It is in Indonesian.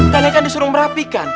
kalian kan disuruh merapikan